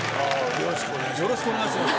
よろしくお願いします。